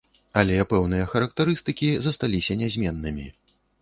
Але пэўныя характарыстыкі засталіся нязменнымі.